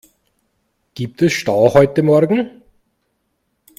Gibt es Stau heute morgen?